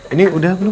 ini udah belum